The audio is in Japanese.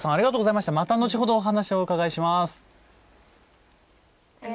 また後ほどお話を伺います。